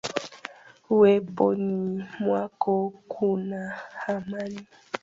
Uweponi mwako kuna amani